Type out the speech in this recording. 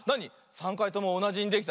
３かいともおなじにできた？